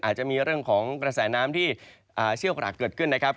อาจจะมีเรื่องของกระแสน้ำที่เชี่ยวกรากเกิดขึ้นนะครับ